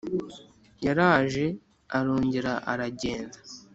yaraje arongera aragenda,